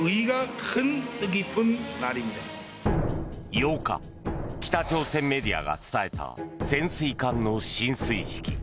８日、北朝鮮メディアが伝えた潜水艦の進水式。